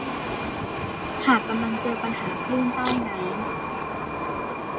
หากกำลังเจอปัญหาคลื่นใต้น้ำ